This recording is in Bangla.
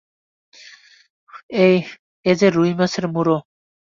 এ যে রুইমাছের মুড়ো।